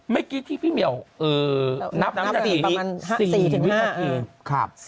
เมื่อกี้ที่พี่เหมียวนับนับอย่างประมาณ๔ถึง๕